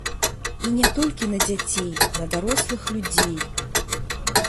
І не толькі на дзяцей, на дарослых людзей.